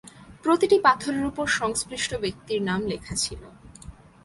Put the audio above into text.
প্রতিটি পাথরের উপর সংশ্লিষ্ট ব্যক্তির নাম লেখা ছিল।